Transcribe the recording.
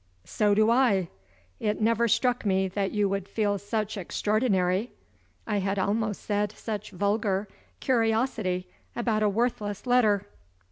"So do I. It never struck me that you would feel such extraordinary I had almost said, such vulgar curiosity about a worthless letter."